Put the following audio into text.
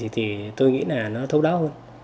thì tôi nghĩ là nó thấu đáo hơn